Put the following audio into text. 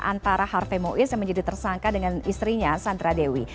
antara harvey mois yang menjadi tersangka dengan istrinya sandra dewi